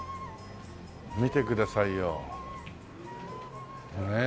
見てくださいよねえ。